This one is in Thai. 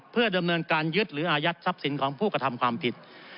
เพื่อดำเนินการยึดหรืออายัดทรัพย์สินของผู้กระทำความผิด